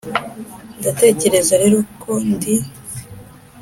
ndatekereza rero ko ndi.